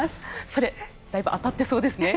それだいぶ当たってそうですね。